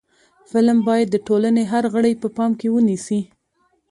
فلم باید د ټولنې هر غړی په پام کې ونیسي